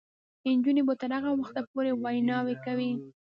نجونې به تر هغه وخته پورې ویناوې کوي.